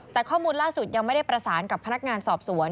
แต่ข้อมูลล่าสุดยังไม่ได้ประสานกับพนักงานสอบสวน